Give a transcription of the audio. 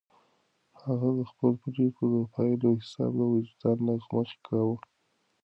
هغه د خپلو پرېکړو د پایلو حساب د وجدان له مخې کاوه.